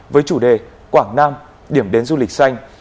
với chủ đề quảng nam điểm đến du lịch xanh